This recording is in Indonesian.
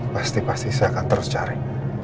pasti pasti saya akan terus cari